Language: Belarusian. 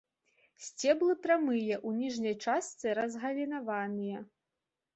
Сцеблы прамыя, у ніжняй частцы разгалінаваныя.